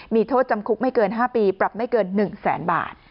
มีโทษจำคุกไม่เกิน๕ปีปรับไม่เกิน๑แสนบาท